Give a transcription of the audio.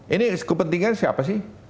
ini kepentingan siapa sih